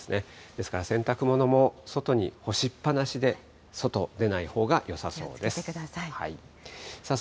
ですから、洗濯物も外に干しっぱなしで、外、出ないほうがよさそ気をつけてください。